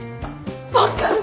分かる！